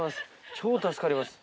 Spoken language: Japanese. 超助かります。